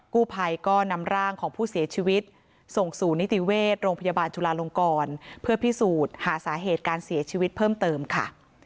กู้ภัยก็นำร่างของผู้เสียชีวิตส่งสู่นิติเวชโรงพยาบาลจุลาลงกรเพื่อพิสูจน์หาสาเหตุการเสียชีวิตเพิ่มเติมค่ะ